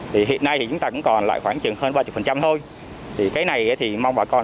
thì hiện nay thì chúng ta cũng còn lại khoảng chừng hơn ba mươi thôi thì cái này thì mong bà con